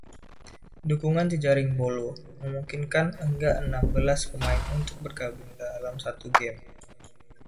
Dukungan jejaring "Bolo" memungkinkan hingga enam belas pemain untuk bergabung dalam satu game.